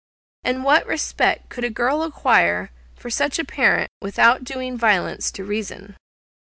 And what respect could a girl acquire for such a parent, without doing violence to reason?)